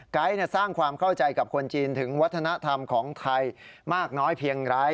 สร้างความเข้าใจกับคนจีนถึงวัฒนธรรมของไทยมากน้อยเพียงไร้